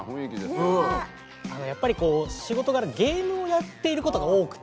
やっぱり仕事柄ゲームをやっている事が多くて。